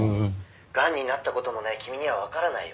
「がんになった事もない君にはわからないよ」